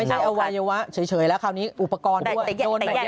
ไม่ใช่เอาวัยวะเฉยแล้วคราวนี้อุปกรณ์ด้วย